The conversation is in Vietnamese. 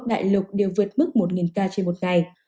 đại lục đều vượt mức một ca trên một ngày